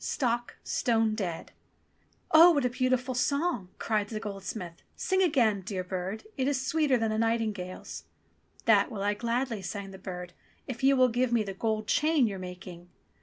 Stock! Stone dead!" THE ROSE TREE 361 "Oh, what a beautiful song !" cried the goldsmith. "Sing again, dear bird, it is sweeter than a nightingale's." "That will I gladly," sang the bird, "if you will give me the gold chain you're making."